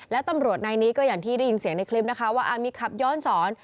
และตำรวจนายนี้ก็อย่างที่ได้ยินเสียงในคลิปนะคะว่ามีขับย้อนสอน